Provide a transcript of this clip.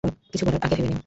কিছু করার আগে ভেবে নিও।